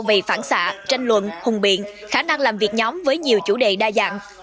về phản xạ tranh luận hùng biện khả năng làm việc nhóm với nhiều chủ đề đa dạng